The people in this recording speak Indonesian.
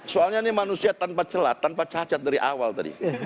soalnya ini manusia tanpa celah tanpa cacat dari awal tadi